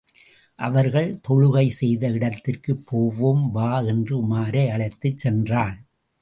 அவர்கள் தொழுகை செய்த இடத்திற்குப் போவோம், வா என்று உமாரை அழைத்துச் சென்றான்.